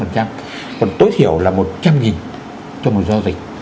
còn tối thiểu là một trăm linh cho một giao dịch